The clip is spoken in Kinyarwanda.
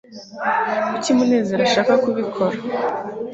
kuki munezero ashaka kubikora